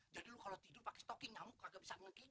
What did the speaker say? jadi lu kalau tidur pakai stocking kamu kagak bisa menggigit